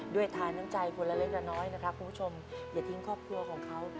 ทานน้ำใจคนละเล็กละน้อยนะครับคุณผู้ชมอย่าทิ้งครอบครัวของเขา